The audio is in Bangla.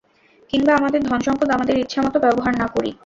কিংবা আমাদের ধনসম্পদ আমাদের ইচ্ছামত ব্যবহার না করি?